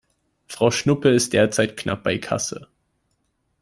Frau Schnuppe ist derzeit knapp bei Kasse.